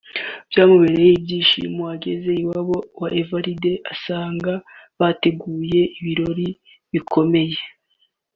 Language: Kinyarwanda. byamubereye ibyishimo ageze iwabo wa Evaride agasanga bateguye ibirori bikomeye